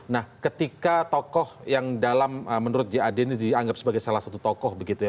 nah ketika tokoh yang dalam menurut jad ini dianggap sebagai salah satu tokoh begitu ya